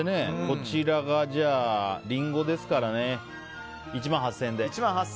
こちらがリンゴですから１万８０００円。